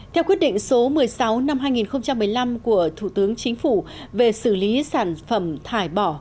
theo quyết định số một mươi sáu năm hai nghìn một mươi năm của thủ tướng chính phủ về xử lý sản phẩm thải bỏ